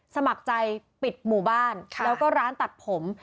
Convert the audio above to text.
สมัครใจปิดหมู่บ้านแล้วก็ร้านตัดผม